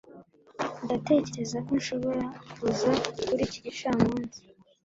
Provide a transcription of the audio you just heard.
ndatekereza ko nshobora kuza kuri iki gicamunsi